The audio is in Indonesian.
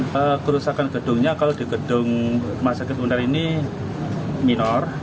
perangkapcificar trov kanssa yang dimasak restricted ke tarik